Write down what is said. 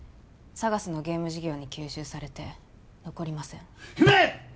ＳＡＧＡＳのゲーム事業に吸収されて残りません姫！